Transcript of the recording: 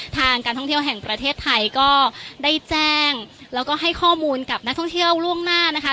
ทางการท่องเที่ยวแห่งประเทศไทยก็ได้แจ้งแล้วก็ให้ข้อมูลกับนักท่องเที่ยวล่วงหน้านะคะ